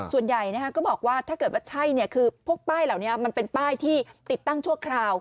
ส่วนใหญ่ก็บอกว่าถ้าเกิดว่าใช่คือพวกป้ายเหล่านี้มันเป็นป้ายที่ติดตั้งชั่วคราว